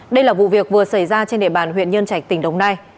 đây là vụ việc vừa xảy ra trên địa bàn huyện nhân trạch tỉnh đồng nai